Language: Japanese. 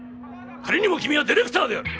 仮にも君はディレクターである。